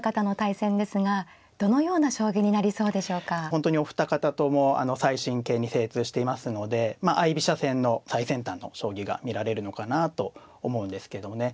本当にお二方とも最近型に精通していますので相居飛車戦の最先端の将棋が見られるのかなあと思うんですけどもね。